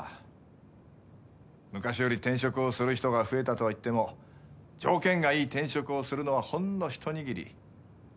昔より転職をする人が増えたとはいっても条件がいい転職をするのはほんの一握り。